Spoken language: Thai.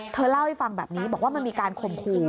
เธอเล่าให้ฟังแบบนี้บอกว่ามันมีการข่มขู่